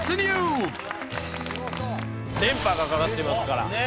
連覇がかかってますから。